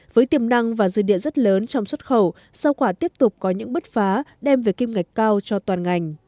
với tiềm năng và dư địa rất lớn trong xuất khẩu giao quả tiếp tục có những bất phá đem về kiêm ngạch cao cho toàn ngành